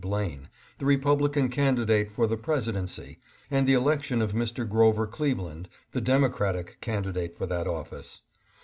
Blaine, the Republican candidate for the presidency, and the election of Mr. Grover Cleveland, the Demo cratic candidate for that office.